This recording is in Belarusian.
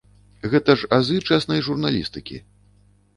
Гэта ж азы чэснай журналістыкі!